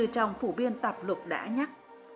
trong phủ biên tạp lục đã nhắc